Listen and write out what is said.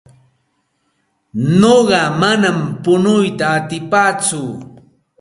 Nuqa manam punuyta atipaatsu.